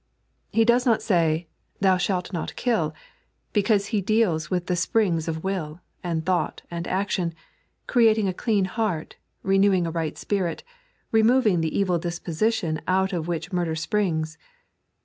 He does not say, " Thou ahalt not kill ;" because He deals with the springs of will, and thought, and action, creating a clean heart, renewing a right spirit, removing the evil dispontion out of which murder springe.